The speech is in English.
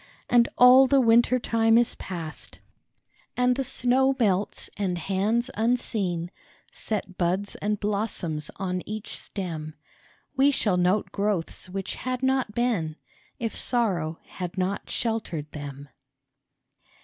) And all the winter time is past, And the snow melts, and hands unseen Set buds and blossoms on each stem, We shall note growths which had not been If Sorrow had not sheltered them